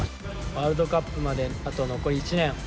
ワールドカップまであと残り１年。